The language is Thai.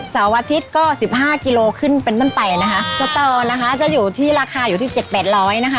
เสาร์วันอาทิตย์ก็๑๕กิโลขึ้นเป็นตั้งแต่นะคะสตอนะคะจะอยู่ที่ราคาอยู่ที่๗๐๐๘๐๐นะคะ